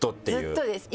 ずっとです。